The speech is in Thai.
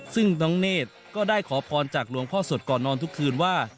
ซึ่งน้องเนธก็ได้ขอพรจากหลวงพ่อสดก่อนนอนทุกคืนว่า